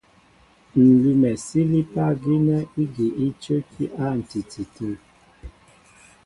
Ǹ lʉ́mɛ sílípá gínɛ́ ígi í cə́kí á ǹtiti tə̂.